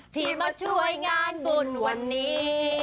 ที่มาช่วยงานบุญวันนี้